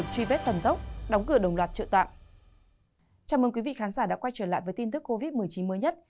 chào mừng quý vị khán giả đã quay trở lại với tin tức covid một mươi chín mới nhất